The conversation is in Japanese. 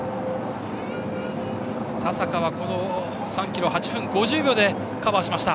田坂は、この３ｋｍを８分５０秒でカバーしました。